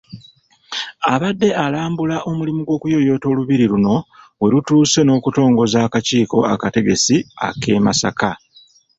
Abadde alambula omulimu gw’okuyooyoota Olubiri luno we lutuuse n’okutongoza akakiiko akategesi ak’e Masaka.